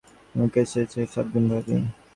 আমার কেসের চেয়ে সাতগুণ ভারি।